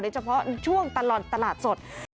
เฉพาะช่วงตลอดตลาดสด